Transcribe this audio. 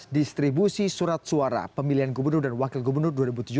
distribusi surat suara pemilihan gubernur dan wakil gubernur dua ribu tujuh belas